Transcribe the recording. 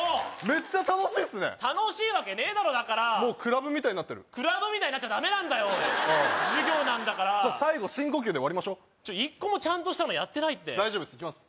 メッチャ楽しいっすね楽しいわけねえだろだからもうクラブみたいになってるクラブみたいになっちゃダメなんだよおい授業なんだからじゃあ最後深呼吸で終わりましょ一個もちゃんとしたのやってないって大丈夫ですいきます